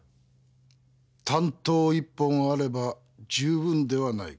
短刀一本あれば十分ではないか。